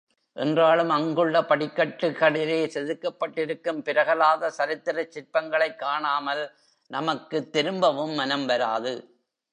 என்றாலும் அங்குள்ள படிக்கட்டுகளிலே செதுக்கப்பட்டிருக்கும் பிரகலாத சரித்திரச் சிற்பங்களைக் காணாமல் நமக்குத் திரும்பவும் மனம் வராது.